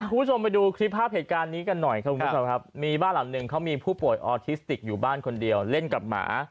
คุณผู้ชมไปดูคลิปภาพเหตุการณ์นี้กันหน่อยครับคุณผู้ชมครับมีบ้านหลังหนึ่งเขามีผู้ป่วยออทิสติกอยู่บ้านคนเดียวเล่นกับหมา